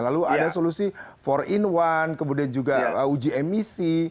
lalu ada solusi empat in satu kemudian juga uji emisi